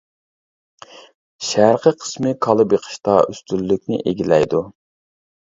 شەرقىي قىسمى كالا بېقىشتا ئۈستۈنلۈكنى ئىگىلەيدۇ.